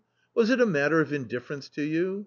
Was it a matter of indifference to you ?